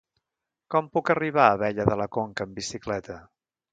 Com puc arribar a Abella de la Conca amb bicicleta?